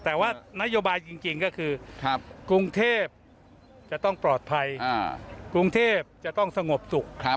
แต่ว่านโยบายจริงก็คือกรุงเทพจะต้องปลอดภัยกรุงเทพจะต้องสงบสุข